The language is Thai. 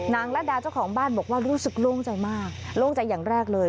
ละดาเจ้าของบ้านบอกว่ารู้สึกโล่งใจมากโล่งใจอย่างแรกเลย